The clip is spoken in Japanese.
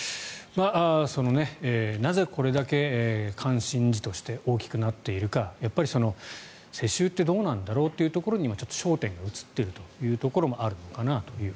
なぜこれだけ関心事として大きくなっているか世襲ってどうなんだろうというところに今、焦点が移っているところもあるのかなと。